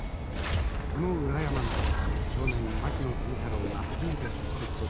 この裏山が少年牧野富太郎が初めて植物と出会った場所でした。